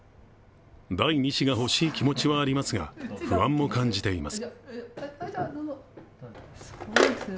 第２子が欲しい気持ちはありますが不安も感じています。